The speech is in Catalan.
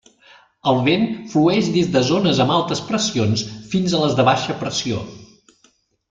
El vent flueix des de zones amb altes pressions fins a les de baixa pressió.